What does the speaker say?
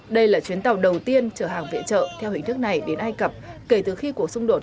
đây là chuyến tàu đầu tiên trở hàng viện trợ theo hình thức này đến ai cập kể từ khi cuộc xung đột